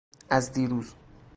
از دیروز